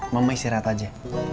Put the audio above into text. mama istirahat aja